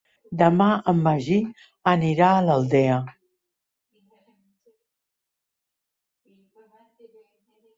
Demà en Magí anirà a l'Aldea.